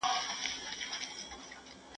شمع هم د جهاني په غوږ کي وايي